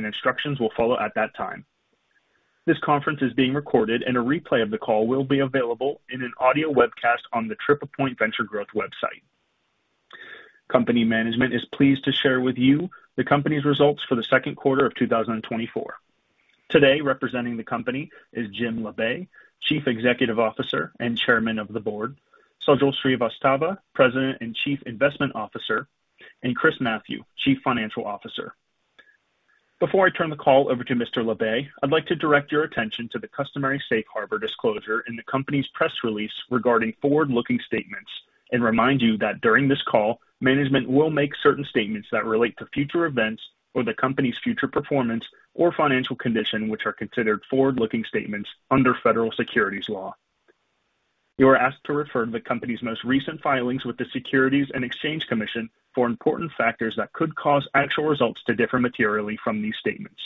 Questions and instructions will follow at that time. This conference is being recorded, and a replay of the call will be available in an audio webcast on the TriplePoint Venture Growth website. Company management is pleased to share with you the company's results for the second quarter of 2024. Today, representing the company is Jim Labe, Chief Executive Officer and Chairman of the Board, Sajal Srivastava, President and Chief Investment Officer, and Chris Mathew, Chief Financial Officer. Before I turn the call over to Mr. Labe, I'd like to direct your attention to the customary safe harbor disclosure in the company's press release regarding forward-looking statements, and remind you that during this call, management will make certain statements that relate to future events or the company's future performance or financial condition, which are considered forward-looking statements under federal securities law. You are asked to refer to the company's most recent filings with the Securities and Exchange Commission for important factors that could cause actual results to differ materially from these statements.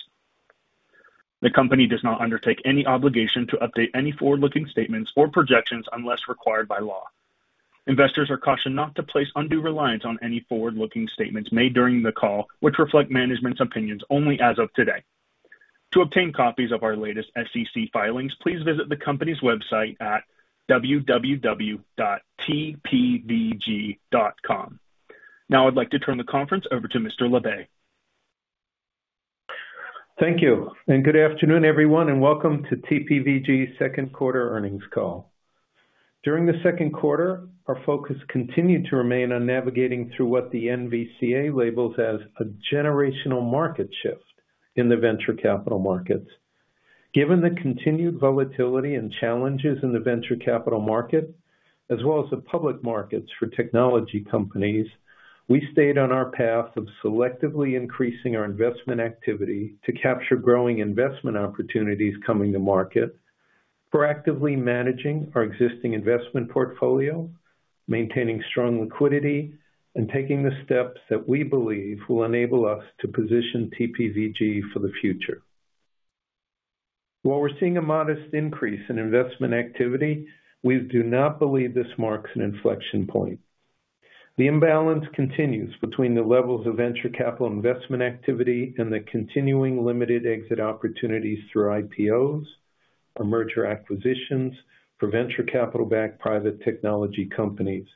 The company does not undertake any obligation to update any forward-looking statements or projections unless required by law. Investors are cautioned not to place undue reliance on any forward-looking statements made during the call, which reflect management's opinions only as of today. To obtain copies of our latest SEC filings, please visit the company's website at www.tpvg.com. Now, I'd like to turn the conference over to Mr. Labe. Thank you, and good afternoon, everyone, and welcome to TPVG's second quarter earnings call. During the second quarter, our focus continued to remain on navigating through what the NVCA labels as a generational market shift in the venture capital markets. Given the continued volatility and challenges in the venture capital market, as well as the public markets for technology companies, we stayed on our path of selectively increasing our investment activity to capture growing investment opportunities coming to market, proactively managing our existing investment portfolio, maintaining strong liquidity, and taking the steps that we believe will enable us to position TPVG for the future. While we're seeing a modest increase in investment activity, we do not believe this marks an inflection point. The imbalance continues between the levels of venture capital investment activity and the continuing limited exit opportunities through IPOs or merger acquisitions for venture capital-backed private technology companies.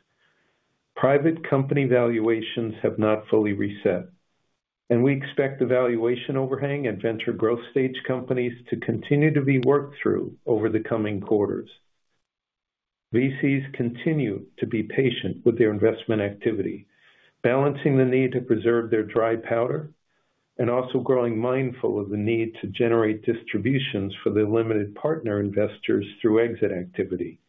Private company valuations have not fully reset, and we expect the valuation overhang at venture growth stage companies to continue to be worked through over the coming quarters. VCs continue to be patient with their investment activity, balancing the need to preserve their dry powder and also growing mindful of the need to generate distributions for their limited partner investors through exit activity,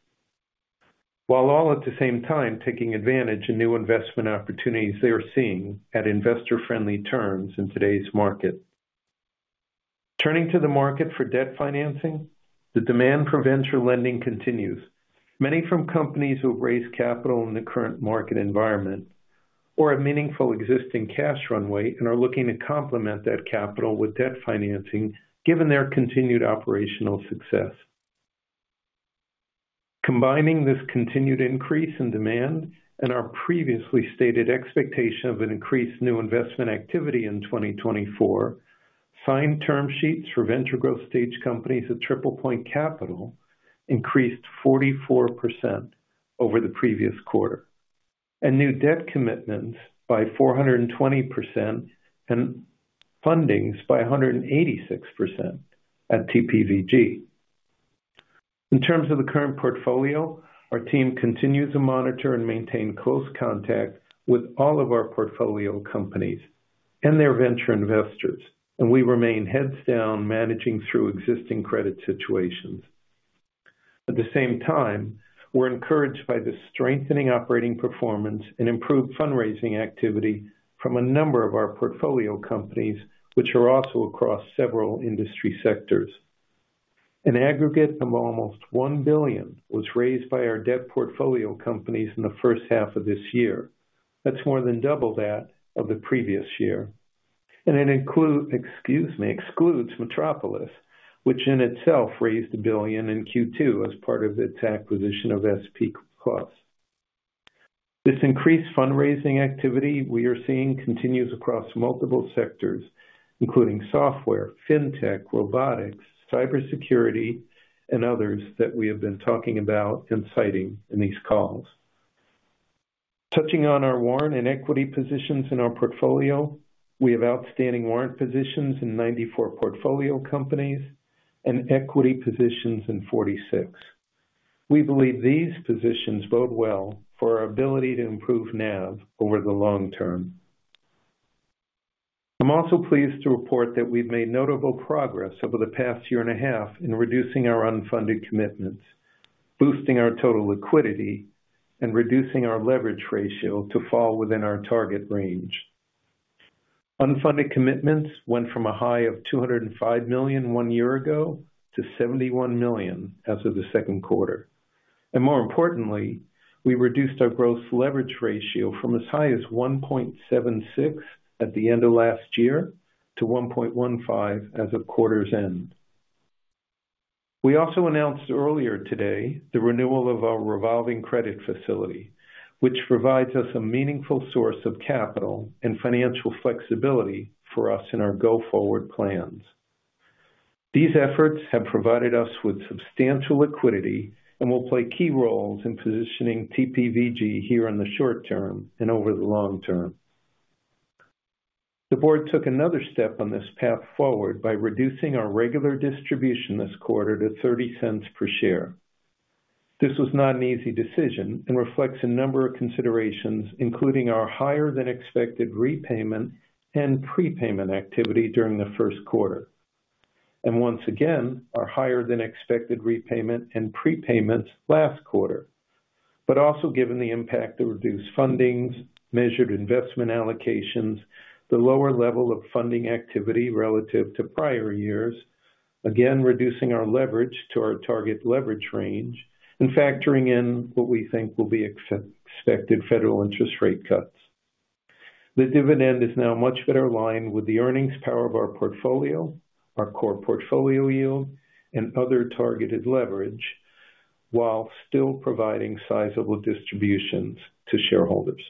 while all at the same time taking advantage of new investment opportunities they are seeing at investor-friendly terms in today's market. Turning to the market for debt financing, the demand for venture lending continues, many from companies who have raised capital in the current market environment or a meaningful existing cash runway and are looking to complement that capital with debt financing, given their continued operational success. Combining this continued increase in demand and our previously stated expectation of an increased new investment activity in 2024, signed term sheets for venture growth stage companies at TriplePoint Capital increased 44% over the previous quarter, and new debt commitments by 420% and fundings by 186% at TPVG. In terms of the current portfolio, our team continues to monitor and maintain close contact with all of our portfolio companies and their venture investors, and we remain heads down, managing through existing credit situations. At the same time, we're encouraged by the strengthening operating performance and improved fundraising activity from a number of our portfolio companies, which are also across several industry sectors. An aggregate of almost $1 billion was raised by our debt portfolio companies in the first half of this year. That's more than double that of the previous year, and it—excuse me, excludes Metropolis, which in itself raised $1 billion in Q2 as part of its acquisition of SP Plus. This increased fundraising activity we are seeing continues across multiple sectors, including software, fintech, robotics, cybersecurity, and others that we have been talking about and citing in these calls. Touching on our warrant and equity positions in our portfolio, we have outstanding warrant positions in 94 portfolio companies and equity positions in 46. We believe these positions bode well for our ability to improve NAV over the long term. I'm also pleased to report that we've made notable progress over the past year and a half in reducing our unfunded commitments, boosting our total liquidity, and reducing our leverage ratio to fall within our target range. Unfunded commitments went from a high of $205 million one year ago to $71 million as of the second quarter, and more importantly, we reduced our gross leverage ratio from as high as 1.76 at the end of last year to 1.15 as of quarter's end. We also announced earlier today the renewal of our revolving credit facility, which provides us a meaningful source of capital and financial flexibility for us in our go-forward plans. These efforts have provided us with substantial liquidity and will play key roles in positioning TPVG here in the short term and over the long term. The board took another step on this path forward by reducing our regular distribution this quarter to $0.30 per share. This was not an easy decision and reflects a number of considerations, including our higher than expected repayment and prepayment activity during the first quarter, and once again, our higher than expected repayment and prepayments last quarter. But also given the impact of reduced fundings, measured investment allocations, the lower level of funding activity relative to prior years, again, reducing our leverage to our target leverage range and factoring in what we think will be expected federal interest rate cuts. The dividend is now much better aligned with the earnings power of our portfolio, our core portfolio yield, and other targeted leverage, while still providing sizable distributions to shareholders.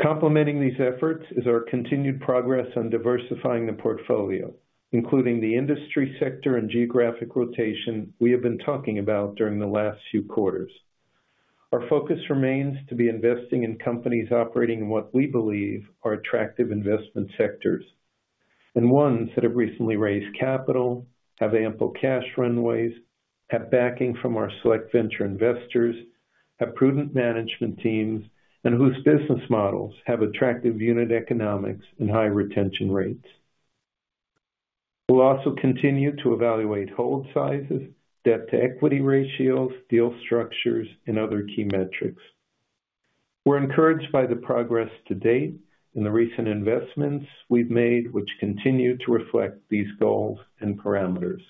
Complementing these efforts is our continued progress on diversifying the portfolio, including the industry sector and geographic rotation we have been talking about during the last few quarters. Our focus remains to be investing in companies operating in what we believe are attractive investment sectors, and ones that have recently raised capital, have ample cash runways, have backing from our select venture investors, have prudent management teams, and whose business models have attractive unit economics and high retention rates. We'll also continue to evaluate hold sizes, debt to equity ratios, deal structures, and other key metrics. We're encouraged by the progress to date and the recent investments we've made, which continue to reflect these goals and parameters.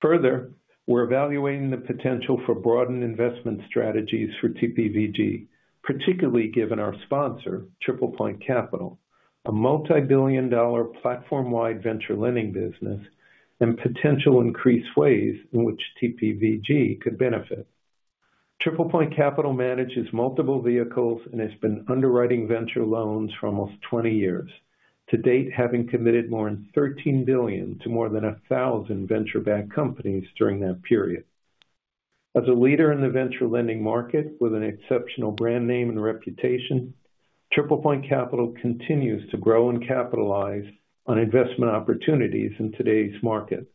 Further, we're evaluating the potential for broadened investment strategies for TPVG, particularly given our sponsor, TriplePoint Capital, a multi-billion dollar platform-wide venture lending business and potential increased ways in which TPVG could benefit. TriplePoint Capital manages multiple vehicles and has been underwriting venture loans for almost 20 years. To date, having committed more than $13 billion to more than 1,000 venture-backed companies during that period. As a leader in the venture lending market with an exceptional brand name and reputation, TriplePoint Capital continues to grow and capitalize on investment opportunities in today's market,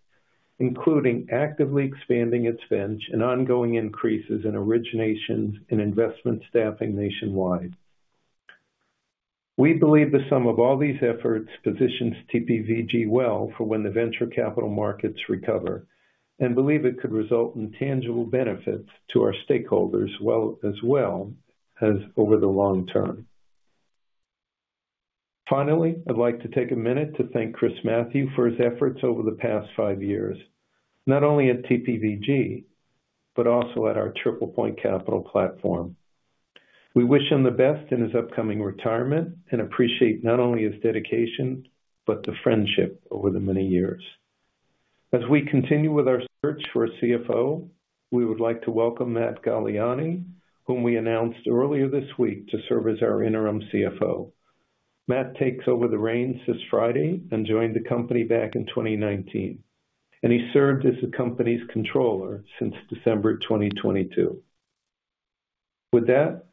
including actively expanding its bench and ongoing increases in originations and investment staffing nationwide. We believe the sum of all these efforts positions TPVG well for when the venture capital markets recover, and believe it could result in tangible benefits to our stakeholders well, as well as over the long term. Finally, I'd like to take a minute to thank Chris Mathew for his efforts over the past five years, not only at TPVG, but also at our TriplePoint Capital platform. We wish him the best in his upcoming retirement and appreciate not only his dedication, but the friendship over the many years. As we continue with our search for a CFO, we would like to welcome Matt Galliani, whom we announced earlier this week to serve as our Interim CFO. Matt takes over the reins this Friday and joined the company back in 2019, and he served as the company's controller since December 2022. With that,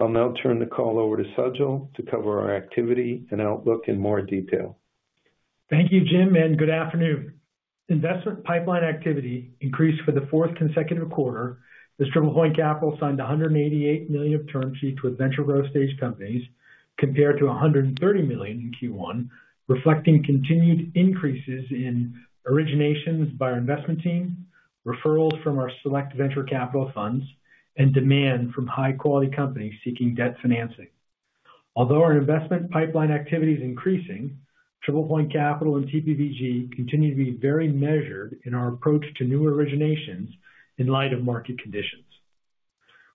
I'll now turn the call over to Sajal to cover our activity and outlook in more detail. Thank you, Jim, and good afternoon. Investment pipeline activity increased for the fourth consecutive quarter as TriplePoint Capital signed $188 million of term sheets with venture growth stage companies, compared to $130 million in Q1, reflecting continued increases in originations by our investment team, referrals from our select venture capital funds, and demand from high quality companies seeking debt financing. Although our investment pipeline activity is increasing, TriplePoint Capital and TPVG continue to be very measured in our approach to new originations in light of market conditions.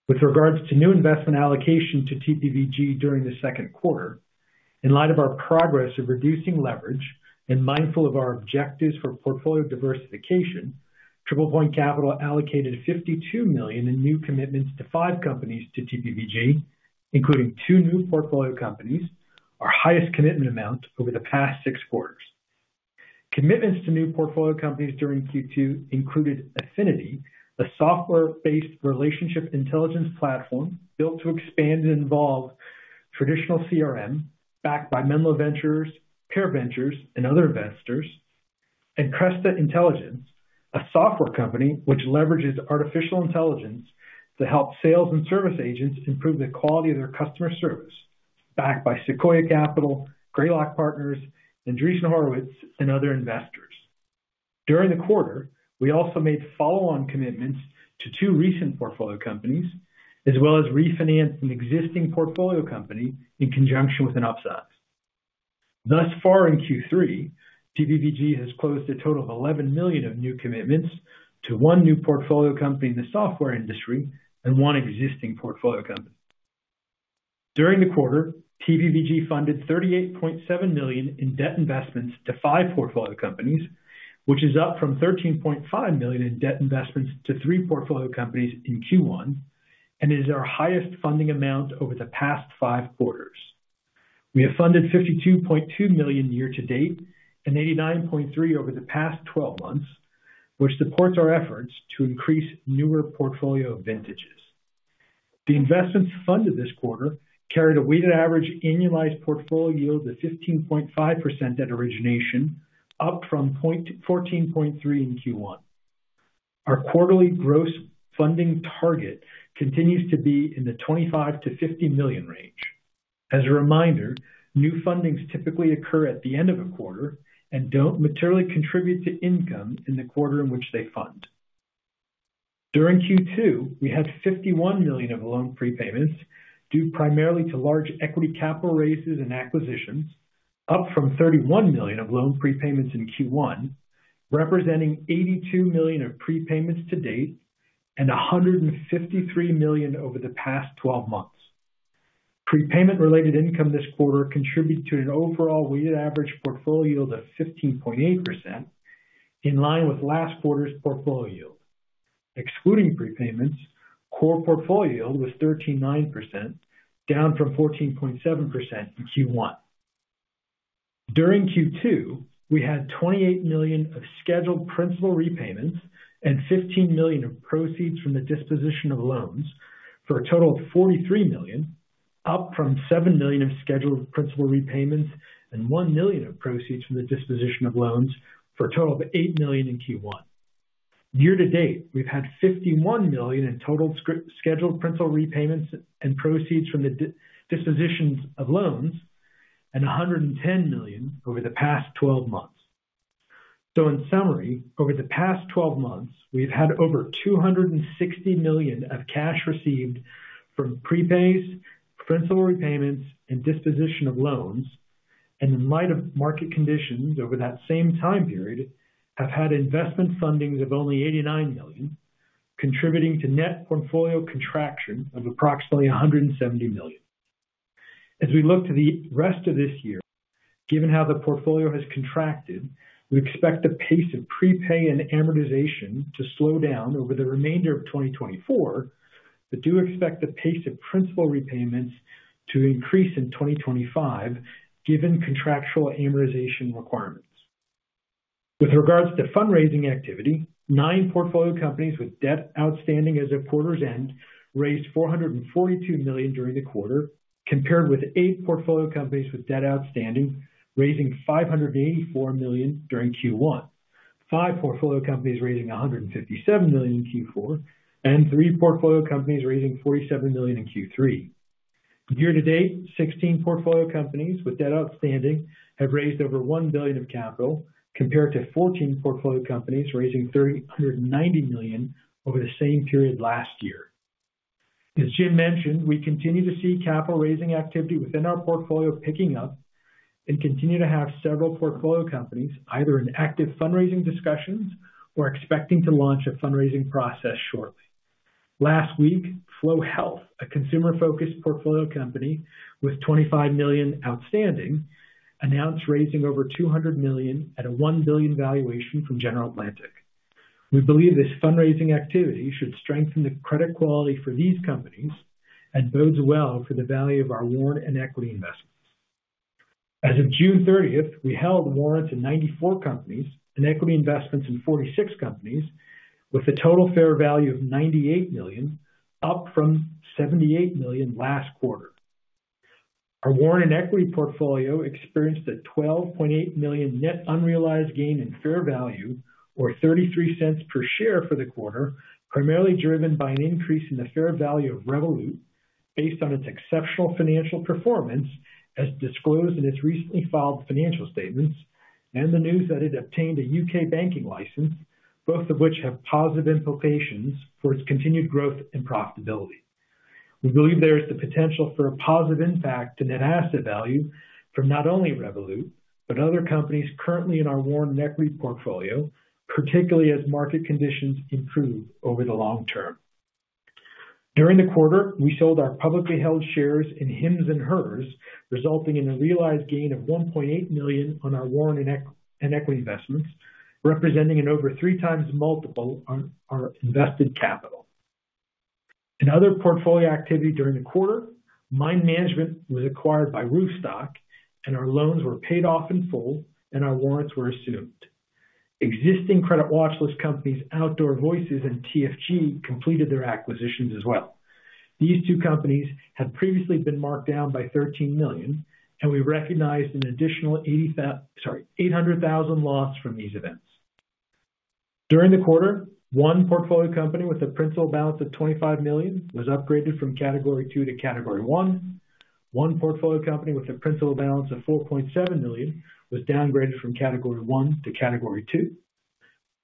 With regards to new investment allocation to TPVG during the second quarter, in light of our progress of reducing leverage and mindful of our objectives for portfolio diversification, TriplePoint Capital allocated $52 million in new commitments to five companies to TPVG, including two new portfolio companies, our highest commitment amount over the past six quarters. Commitments to new portfolio companies during Q2 included Affinity, a software-based relationship intelligence platform built to expand and involve traditional CRM backed by Menlo Ventures, Pear VC, and other investors. Cresta Intelligence, a software company which leverages artificial intelligence to help sales and service agents improve the quality of their customer service, backed by Sequoia Capital, Greylock Partners, Andreessen Horowitz, and other investors. During the quarter, we also made follow-on commitments to two recent portfolio companies, as well as refinance an existing portfolio company in conjunction with an upsize. Thus far in Q3, TPVG has closed a total of $11 million of new commitments to one new portfolio company in the software industry and one existing portfolio company. During the quarter, TPVG funded $38.7 million in debt investments to five portfolio companies, which is up from $13.5 million in debt investments to three portfolio companies in Q1, and is our highest funding amount over the past five quarters. We have funded $52.2 million year to date, and $89.3 million over the past twelve months, which supports our efforts to increase newer portfolio vintages. The investments funded this quarter carried a weighted average annualized portfolio yield of 15.5% at origination, up from 14.3% in Q1. Our quarterly gross funding target continues to be in the $25-$50 million range. As a reminder, new fundings typically occur at the end of a quarter and don't materially contribute to income in the quarter in which they fund. During Q2, we had $51 million of loan prepayments, due primarily to large equity capital raises and acquisitions, up from $31 million of loan prepayments in Q1, representing $82 million of prepayments to date and $153 million over the past twelve months. Prepayment-related income this quarter contributed to an overall weighted average portfolio of 15.8%, in line with last quarter's portfolio yield. Excluding prepayments, core portfolio was 13.9%, down from 14.7% in Q1. During Q2, we had $28 million of scheduled principal repayments and $15 million of proceeds from the disposition of loans, for a total of $43 million, up from $7 million of scheduled principal repayments and $1 million of proceeds from the disposition of loans, for a total of $8 million in Q1. Year to date, we've had $51 million in total scheduled principal repayments and proceeds from the dispositions of loans and $110 million over the past twelve months. So in summary, over the past twelve months, we've had over $260 million of cash received from prepays, principal repayments, and disposition of loans, and in light of market conditions over that same time period, have had investment fundings of only $89 million, contributing to net portfolio contraction of approximately $170 million. As we look to the rest of this year, given how the portfolio has contracted, we expect the pace of prepay and amortization to slow down over the remainder of 2024, but do expect the pace of principal repayments to increase in 2025, given contractual amortization requirements. With regards to fundraising activity, nine portfolio companies with debt outstanding as of quarter's end raised $442 million during the quarter, compared with eight portfolio companies with debt outstanding, raising $584 million during Q1. Five portfolio companies raising $157 million in Q4, and three portfolio companies raising $47 million in Q3. Year to date, 16 portfolio companies with debt outstanding have raised over $1 billion of capital, compared to 14 portfolio companies raising $390 million over the same period last year. As Jim mentioned, we continue to see capital raising activity within our portfolio picking up and continue to have several portfolio companies, either in active fundraising discussions or expecting to launch a fundraising process shortly. Last week, Flo Health, a consumer-focused portfolio company with $25 million outstanding, announced raising over $200 million at a $1 billion valuation from General Atlantic. We believe this fundraising activity should strengthen the credit quality for these companies and bodes well for the value of our warrant and equity investments. As of June thirtieth, we held warrants in 94 companies and equity investments in 46 companies, with a total fair value of $98 million, up from $78 million last quarter. Our warrant and equity portfolio experienced a $12.8 million net unrealized gain in fair value, or $0.33 per share for the quarter, primarily driven by an increase in the fair value of Revolut, based on its exceptional financial performance, as disclosed in its recently filed financial statements, and the news that it obtained a U.K. banking license, both of which have positive implications for its continued growth and profitability. We believe there is the potential for a positive impact to net asset value from not only Revolut, but other companies currently in our warrant and equity portfolio, particularly as market conditions improve over the long term. During the quarter, we sold our publicly held shares in Hims and Hers, resulting in a realized gain of $1.8 million on our warrant and equity investments, representing an over 3x multiple on our invested capital. In other portfolio activity during the quarter, Mynd Management was acquired by Roofstock, and our loans were paid off in full and our warrants were assumed. Existing credit watchlist companies, Outdoor Voices and TFG, completed their acquisitions as well. These two companies had previously been marked down by $13 million, and we recognized an additional $800,000 loss from these events. During the quarter, one portfolio company with a principal balance of $25 million was upgraded from Category Two to Category One. One portfolio company with a principal balance of $4.7 million was downgraded from Category One to Category Two.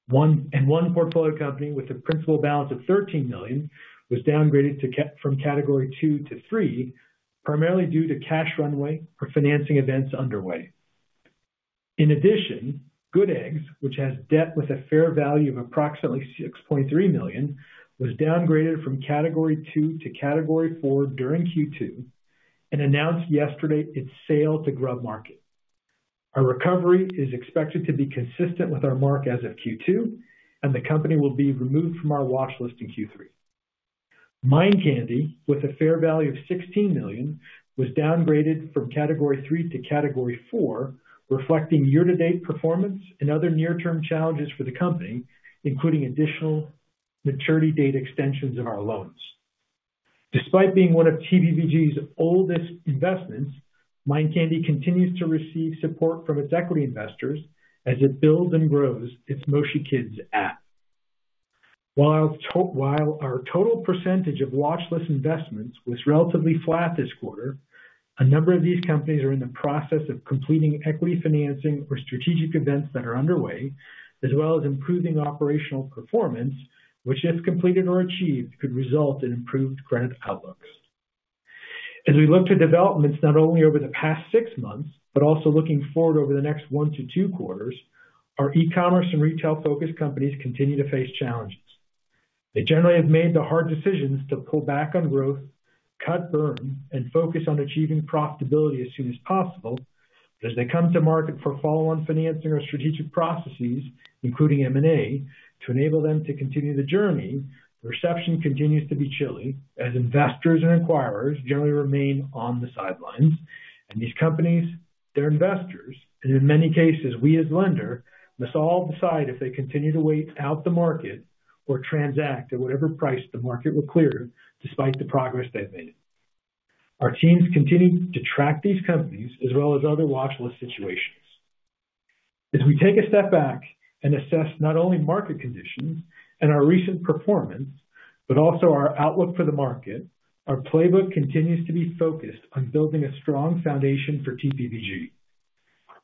One portfolio company with a principal balance of $13 million was downgraded from Category Two to Category Three, primarily due to cash runway for financing events underway. In addition, Good Eggs, which has debt with a fair value of approximately $6.3 million, was downgraded from Category Two to Category Four during Q2, and announced yesterday its sale to GrubMarket. Our recovery is expected to be consistent with our mark as of Q2, and the company will be removed from our watch list in Q3. Mind Candy, with a fair value of $16 million, was downgraded from Category Three to Category Four, reflecting year-to-date performance and other near-term challenges for the company, including additional maturity date extensions of our loans. Despite being one of TPVG's oldest investments, Mind Candy continues to receive support from its equity investors as it builds and grows its Moshi Kids app. While our total percentage of watchlist investments was relatively flat this quarter, a number of these companies are in the process of completing equity financing or strategic events that are underway, as well as improving operational performance, which, if completed or achieved, could result in improved credit outlooks. As we look to developments not only over the past six months, but also looking forward over the next one to two quarters, our e-commerce and retail-focused companies continue to face challenges. They generally have made the hard decisions to pull back on growth, cut burn, and focus on achieving profitability as soon as possible. But as they come to market for follow-on financing or strategic processes, including M&A, to enable them to continue the journey, the reception continues to be chilly, as investors and acquirers generally remain on the sidelines. These companies, their investors, and in many cases, we as lender, must all decide if they continue to wait out the market or transact at whatever price the market will clear, despite the progress they've made. Our teams continue to track these companies as well as other watchlist situations. As we take a step back and assess not only market conditions and our recent performance, but also our outlook for the market, our playbook continues to be focused on building a strong foundation for TPVG.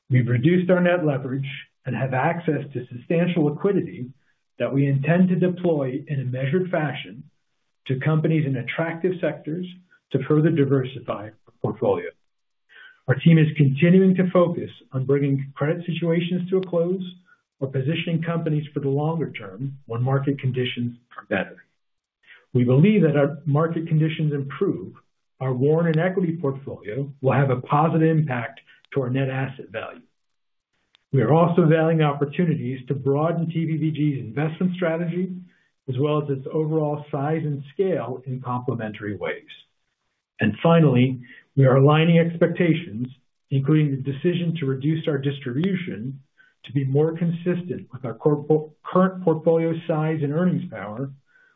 We've reduced our net leverage and have access to substantial liquidity that we intend to deploy in a measured fashion to companies in attractive sectors to further diversify our portfolio. Our team is continuing to focus on bringing credit situations to a close or positioning companies for the longer term when market conditions are better. We believe that our market conditions improve, our warrant and equity portfolio will have a positive impact to our net asset value. We are also valuing opportunities to broaden TPVG's investment strategy, as well as its overall size and scale in complementary ways. And finally, we are aligning expectations, including the decision to reduce our distribution, to be more consistent with our current portfolio size and earnings power,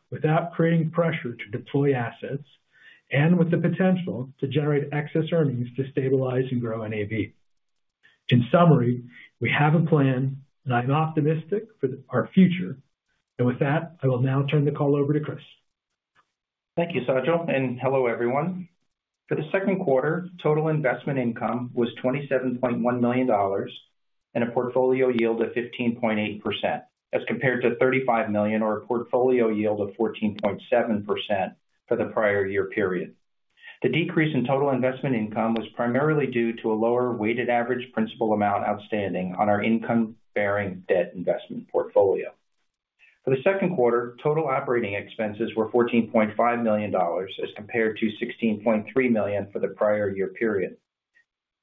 without creating pressure to deploy assets and with the potential to generate excess earnings to stabilize and grow NAV. In summary, we have a plan, and I'm optimistic for our future. And with that, I will now turn the call over to Chris. Thank you, Sajal, and hello, everyone. For the second quarter, total investment income was $27.1 million and a portfolio yield of 15.8%, as compared to $35 million or a portfolio yield of 14.7% for the prior year period. The decrease in total investment income was primarily due to a lower weighted average principal amount outstanding on our income-bearing debt investment portfolio. For the second quarter, total operating expenses were $14.5 million, as compared to $16.3 million for the prior year period.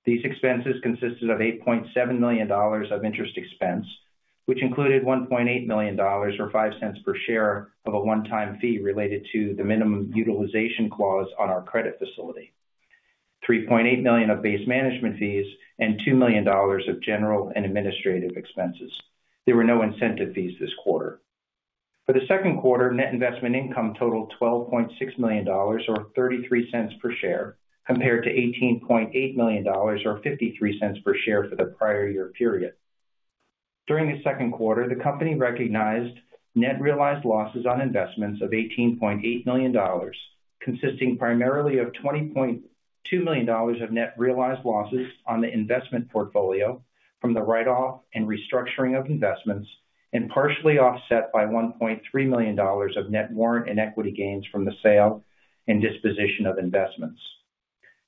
These expenses consisted of $8.7 million of interest expense, which included $1.8 million, or $0.05 per share, of a one-time fee related to the minimum utilization clause on our credit facility, $3.8 million of base management fees, and $2 million of general and administrative expenses. There were no incentive fees this quarter. For the second quarter, net investment income totaled $12.6 million, or $0.33 per share, compared to $18.8 million, or $0.53 per share, for the prior year period. During the second quarter, the company recognized net realized losses on investments of $18.8 million, consisting primarily of $20.2 million of net realized losses on the investment portfolio from the write-off and restructuring of investments, and partially offset by $1.3 million of net warrant and equity gains from the sale and disposition of investments.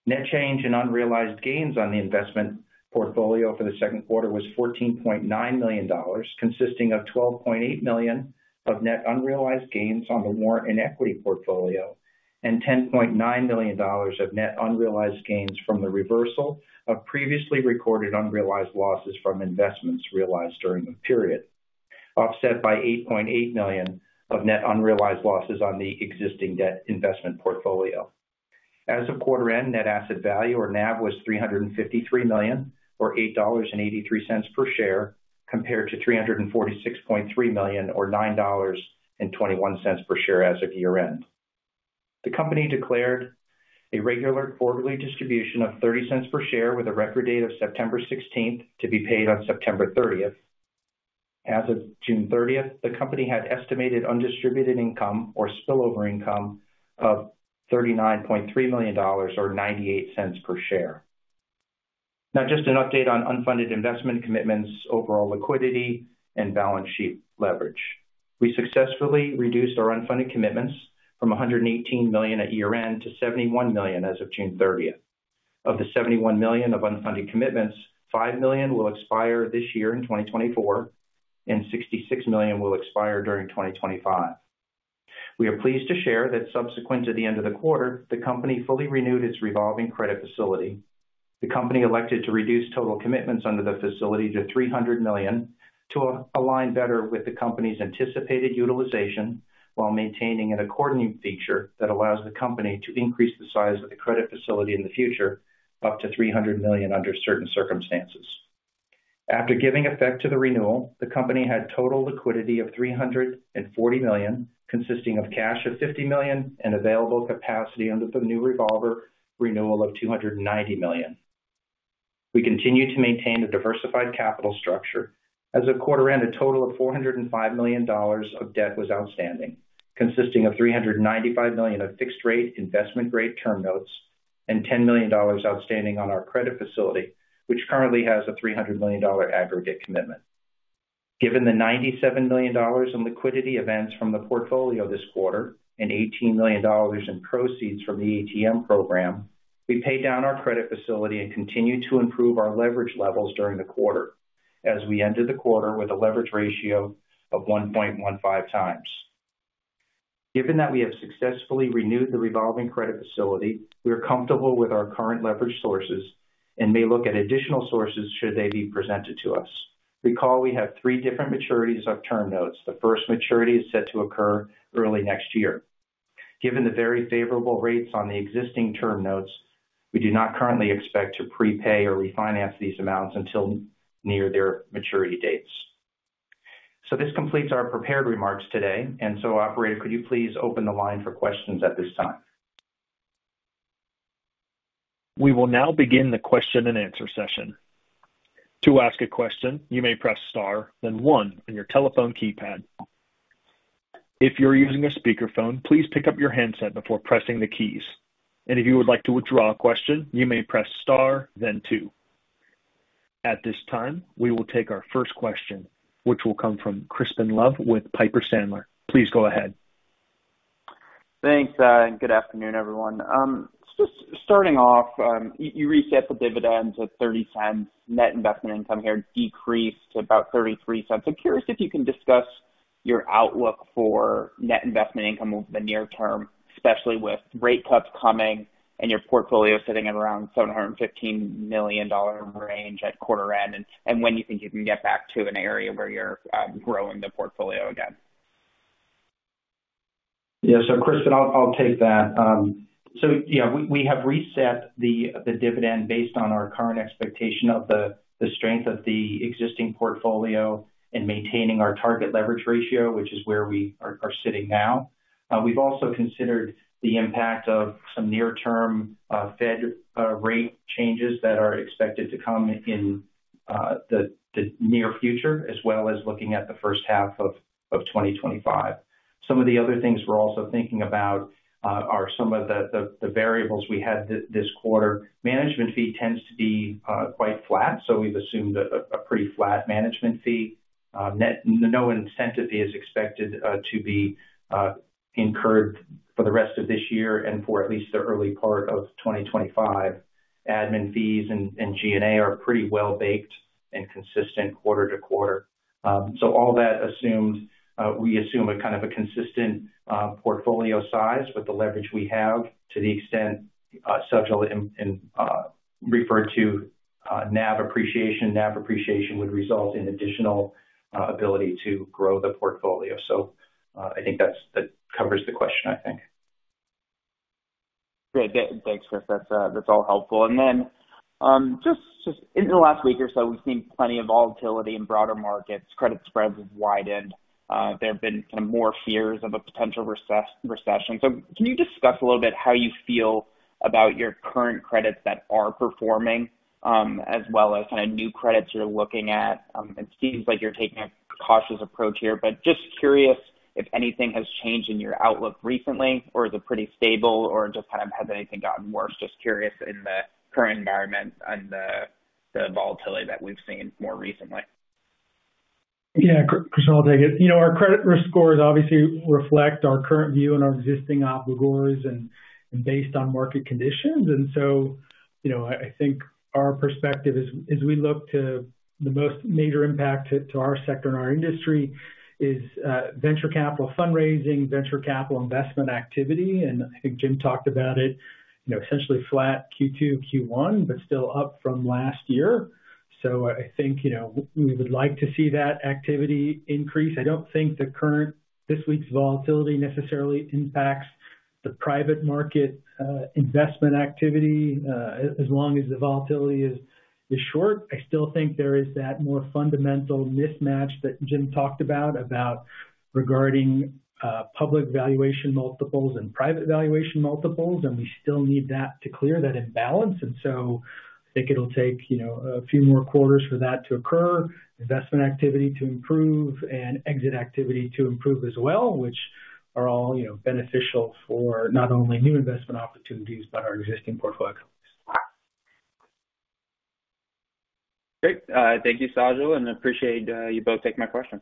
Net change in unrealized gains on the investment portfolio for the second quarter was $14.9 million, consisting of $12.8 million of net unrealized gains on the warrant and equity portfolio, and $10.9 million of net unrealized gains from the reversal of previously recorded unrealized losses from investments realized during the period, offset by $8.8 million of net unrealized losses on the existing debt investment portfolio. As of quarter end, net asset value, or NAV, was $353 million, or $8.83 per share, compared to $346.3 million, or $9.21 per share as of year-end. The company declared a regular quarterly distribution of $0.30 per share, with a record date of September sixteenth, to be paid on September thirtieth. As of June 30, the company had estimated undistributed income or spillover income of $39.3 million, or $0.98 per share. Now, just an update on unfunded investment commitments, overall liquidity, and balance sheet leverage. We successfully reduced our unfunded commitments from $118 million at year-end to $71 million as of June 30. Of the $71 million of unfunded commitments, $5 million will expire this year in 2024, and $66 million will expire during 2025. We are pleased to share that subsequent to the end of the quarter, the company fully renewed its revolving credit facility. The company elected to reduce total commitments under the facility to $300 million, to align better with the company's anticipated utilization, while maintaining an accordion feature that allows the company to increase the size of the credit facility in the future, up to $300 million under certain circumstances. After giving effect to the renewal, the company had total liquidity of $340 million, consisting of cash of $50 million and available capacity under the new revolver renewal of $290 million. We continue to maintain a diversified capital structure. As of quarter end, a total of $405 million of debt was outstanding, consisting of $395 million of fixed rate, investment grade term notes, and $10 million outstanding on our credit facility, which currently has a $300 million aggregate commitment. Given the $97 million in liquidity events from the portfolio this quarter, and $18 million in proceeds from the ATM program, we paid down our credit facility and continued to improve our leverage levels during the quarter as we ended the quarter with a leverage ratio of 1.15 times. Given that we have successfully renewed the revolving credit facility, we are comfortable with our current leverage sources and may look at additional sources should they be presented to us. Recall, we have three different maturities of term notes. The first maturity is set to occur early next year. Given the very favorable rates on the existing term notes, we do not currently expect to prepay or refinance these amounts until near their maturity dates. So this completes our prepared remarks today, and so operator, could you please open the line for questions at this time? We will now begin the question and answer session. To ask a question, you may press star, then one on your telephone keypad. If you're using a speakerphone, please pick up your handset before pressing the keys, and if you would like to withdraw a question, you may press star then two. At this time, we will take our first question, which will come from Crispin Love with Piper Sandler. Please go ahead. Thanks, and good afternoon, everyone. Just starting off, you reset the dividends of $0.30. Net investment income here decreased to about $0.33. I'm curious if you can discuss your outlook for net investment income over the near term, especially with rate cuts coming and your portfolio sitting at around $715 million range at quarter end, and, and when you think you can get back to an area where you're growing the portfolio again. Yeah. So Crispin, I'll take that. So yeah, we have reset the dividend based on our current expectation of the strength of the existing portfolio and maintaining our target leverage ratio, which is where we are sitting now. We've also considered the impact of some near term Fed rate changes that are expected to come in the near future, as well as looking at the first half of 2025. Some of the other things we're also thinking about are some of the variables we had this quarter. Management fee tends to be quite flat, so we've assumed a pretty flat management fee. No incentive fee is expected to be incurred for the rest of this year and for at least the early part of 2025. Admin fees and G&A are pretty well baked and consistent quarter to quarter. So all that assumes we assume a kind of a consistent portfolio size, but the leverage we have to the extent referred to NAV appreciation. NAV appreciation would result in additional ability to grow the portfolio. So I think that covers the question, I think. Great. Thanks, Chris. That's all helpful. And then just in the last week or so, we've seen plenty of volatility in broader markets. Credit spreads have widened. There have been kind of more fears of a potential recession. So can you discuss a little bit how you feel about your current credits that are performing, as well as kind of new credits you're looking at? It seems like you're taking a cautious approach here, but just curious if anything has changed in your outlook recently, or is it pretty stable, or just kind of has anything gotten worse? Just curious in the current environment and the volatility that we've seen more recently. Yeah, Crispin, I'll take it. You know, our credit risk scores obviously reflect our current view and our existing obligations and based on market conditions. And so, you know, I think our perspective as we look to the most major impact to our sector and our industry is venture capital fundraising, venture capital investment activity, and I think Jim talked about it, you know, essentially flat Q2 to Q1, but still up from last year. So I think, you know, we would like to see that activity increase. I don't think the current this week's volatility necessarily impacts the private market investment activity as long as the volatility is short. I still think there is that more fundamental mismatch that Jim talked about, about regarding public valuation multiples and private valuation multiples, and we still need that to clear that imbalance. And so I think it'll take, you know, a few more quarters for that to occur, investment activity to improve and exit activity to improve as well, which are all, you know, beneficial for not only new investment opportunities, but our existing portfolio.... Great. Thank you, Sajal, and appreciate you both taking my questions.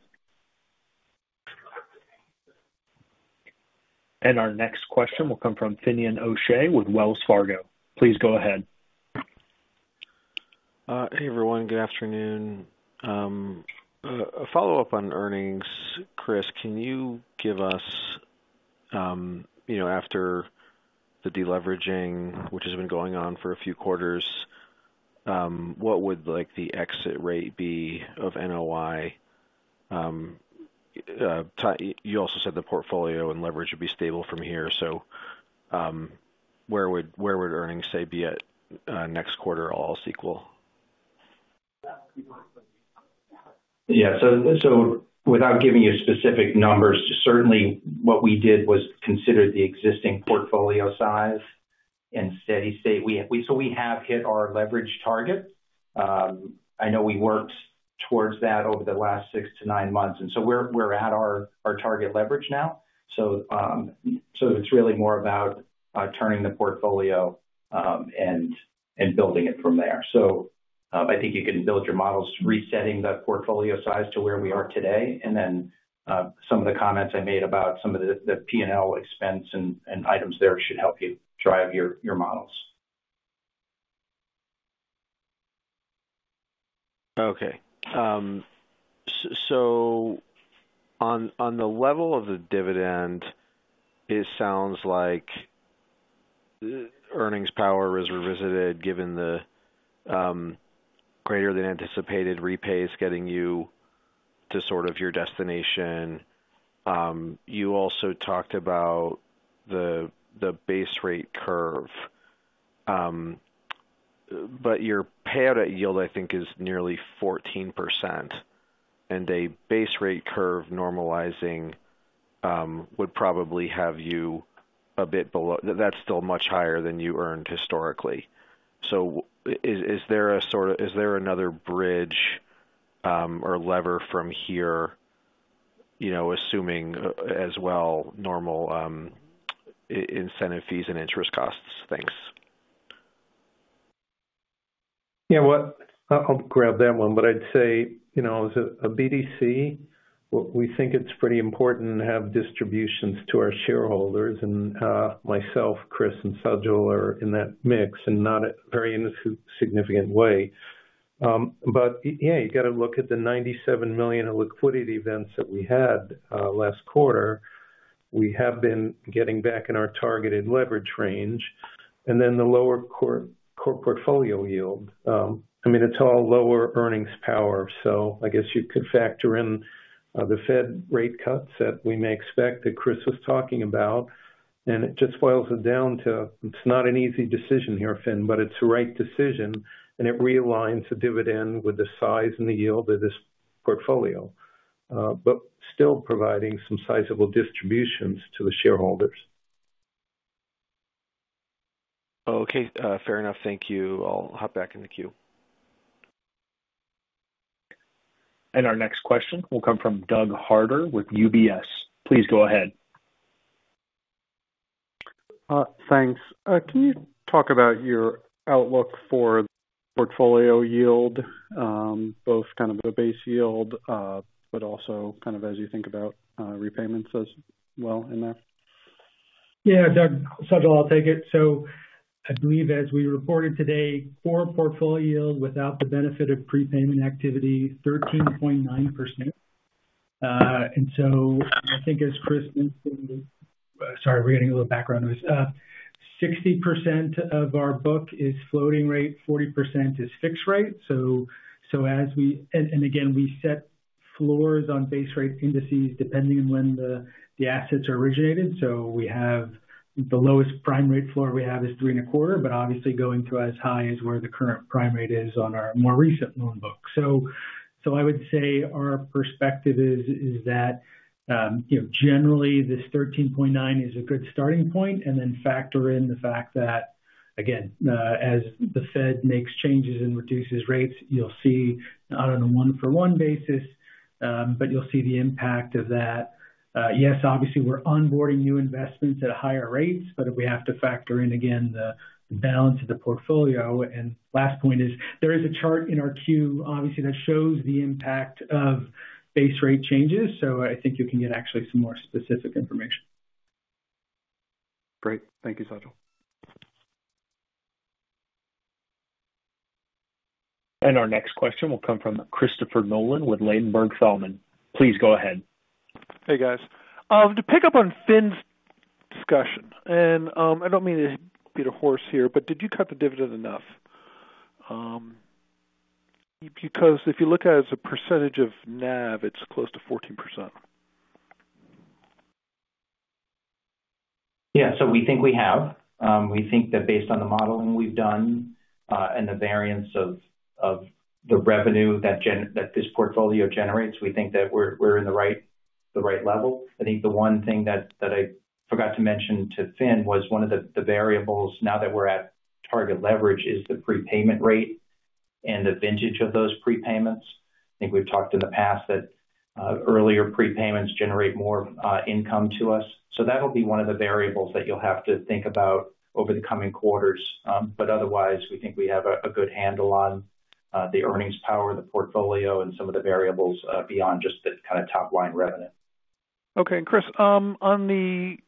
Our next question will come from Finnian O'Shea with Wells Fargo. Please go ahead. Hey, everyone. Good afternoon. A follow-up on earnings. Chris, can you give us, you know, after the deleveraging, which has been going on for a few quarters, what would, like, the exit rate be of NOI? You also said the portfolio and leverage would be stable from here, so, where would earnings, say, be at next quarter, all else equal? Yeah. So without giving you specific numbers, certainly what we did was consider the existing portfolio size and steady state. So we have hit our leverage target. I know we worked towards that over the last 6-9 months, and so we're at our target leverage now. So it's really more about turning the portfolio and building it from there. So I think you can build your models, resetting that portfolio size to where we are today, and then some of the comments I made about some of the PNL expense and items there should help you drive your models. Okay. So on the level of the dividend, it sounds like earnings power is revisited, given the greater than anticipated repays getting you to sort of your destination. You also talked about the base rate curve. But your payout yield, I think, is nearly 14%, and a base rate curve normalizing would probably have you a bit below— That's still much higher than you earned historically. So is there a sort of— is there another bridge or lever from here, you know, assuming as well normal incentive fees and interest costs? Thanks. Yeah, I'll grab that one. But I'd say, you know, as a BDC, we think it's pretty important to have distributions to our shareholders, and myself, Chris, and Sajal are in that mix, and not in a very significant way. But yeah, you've got to look at the $97 million in liquidity events that we had last quarter. We have been getting back in our targeted leverage range, and then the lower core portfolio yield. I mean, it's all lower earnings power, so I guess you could factor in the Fed rate cuts that we may expect, that Chris was talking about. And it just boils it down to, it's not an easy decision here, Finn, but it's the right decision, and it realigns the dividend with the size and the yield of this portfolio. But still providing some sizable distributions to the shareholders. Okay, fair enough. Thank you. I'll hop back in the queue. Our next question will come from Doug Harder with UBS. Please go ahead. Thanks. Can you talk about your outlook for portfolio yield, both kind of a base yield, but also kind of as you think about repayments as well in that? Yeah, Doug. Sajal, I'll take it. So I believe, as we reported today, core portfolio yield without the benefit of prepayment activity, 13.9%. And so I think as Chris mentioned—sorry, we're getting a little background noise. 60% of our book is floating rate, 40% is fixed rate. So as we... And again, we set floors on base rate indices depending on when the assets are originated. So we have the lowest prime rate floor we have is 3.25, but obviously going to as high as where the current prime rate is on our more recent loan book. So I would say our perspective is that, you know, generally this 13.9 is a good starting point, and then factor in the fact that, again, as the Fed makes changes and reduces rates, you'll see, not on a one-for-one basis, but you'll see the impact of that. Yes, obviously, we're onboarding new investments at higher rates, but we have to factor in, again, the balance of the portfolio. And last point is, there is a chart in our queue, obviously, that shows the impact of base rate changes, so I think you can get actually some more specific information. Great. Thank you, Sajal. Our next question will come from Christopher Nolan with Ladenburg Thalmann. Please go ahead. Hey, guys. To pick up on Finn's discussion, and, I don't mean to beat a horse here, but did you cut the dividend enough? Because if you look at it as a percentage of NAV, it's close to 14%. Yeah. So we think we have. We think that based on the modeling we've done, and the variance of the revenue that this portfolio generates, we think that we're in the right level. I think the one thing that I forgot to mention to Finn was one of the variables now that we're at target leverage is the prepayment rate and the vintage of those prepayments.... I think we've talked in the past that earlier prepayments generate more income to us. So that'll be one of the variables that you'll have to think about over the coming quarters. But otherwise, we think we have a good handle on the earnings power, the portfolio, and some of the variables beyond just the kind of top line revenue. Okay. Chris, on the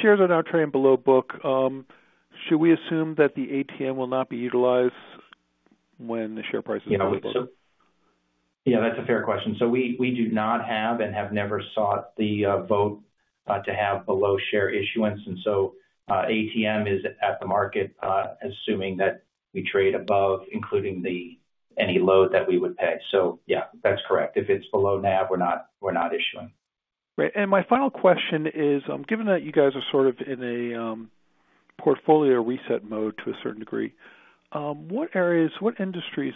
shares are now trading below book, should we assume that the ATM will not be utilized when the share price is below book? You know, so, yeah, that's a fair question. So we do not have and have never sought the vote to have a low share issuance, and so, ATM is at the market, assuming that we trade above, including any load that we would pay. So yeah, that's correct. If it's below NAV, we're not issuing. Great. My final question is, given that you guys are sort of in a portfolio reset mode to a certain degree, what areas, what industries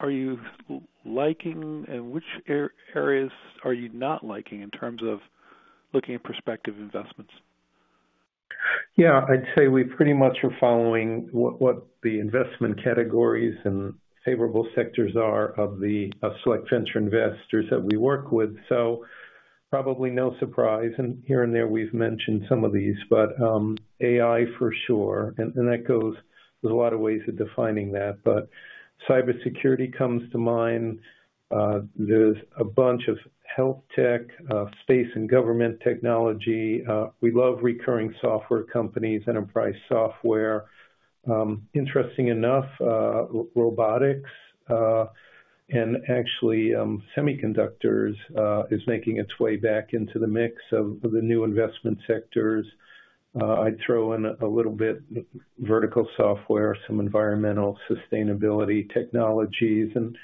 are you liking, and which areas are you not liking in terms of looking at prospective investments? Yeah, I'd say we pretty much are following what the investment categories and favorable sectors are of select venture investors that we work with. So probably no surprise, and here and there, we've mentioned some of these, but, AI for sure, and, and that goes with a lot of ways of defining that. But cybersecurity comes to mind. There's a bunch of health tech, space and government technology. We love recurring software companies, enterprise software. Interesting enough, robotics, and actually, semiconductors, is making its way back into the mix of the new investment sectors. I'd throw in a little bit vertical software, some environmental sustainability technologies and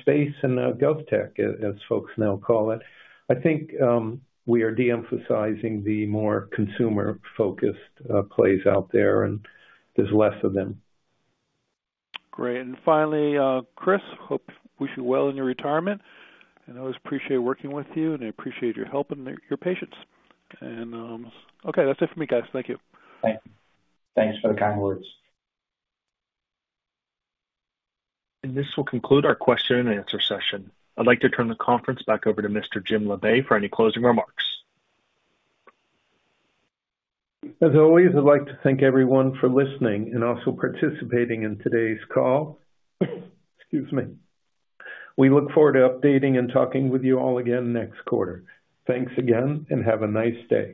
space and gov tech, as folks now call it. I think, we are de-emphasizing the more consumer-focused, plays out there, and there's less of them. Great. And finally, Chris, wish you well in your retirement, and I always appreciate working with you, and I appreciate your help and your patience. Okay, that's it for me, guys. Thank you. Thank you. Thanks for the kind words. This will conclude our question and answer session. I'd like to turn the conference back over to Mr. Jim Labe for any closing remarks. As always, I'd like to thank everyone for listening and also participating in today's call. Excuse me. We look forward to updating and talking with you all again next quarter. Thanks again, and have a nice day.